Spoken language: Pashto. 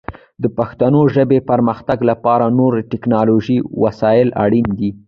د پښتو ژبې پرمختګ لپاره نور ټکنالوژیکي وسایل اړین دي.